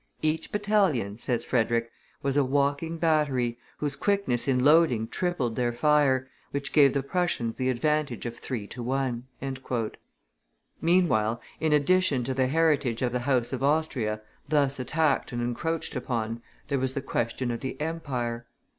"Each battalion," says Frederick, "was a walking battery, whose quickness in loading tripled their fire, which gave the Prussians the advantage of three to one." Meanwhile, in addition to the heritage of the house of Austria, thus attacked and encroached upon, there was the question of the Empire.